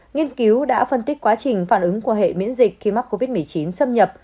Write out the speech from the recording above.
nghiên cứu đã phân tích quá trình phản ứng của hệ miễn dịch khi mắc covid một mươi chín xâm nhập